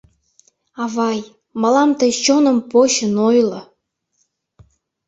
«Авай, мылам тый чоным почын ойло: